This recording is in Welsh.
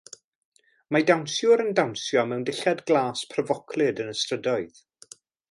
Mae dawnsiwr yn dawnsio mewn dillad glas pryfoclyd yn y strydoedd.